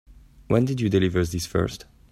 When did you deliver this first?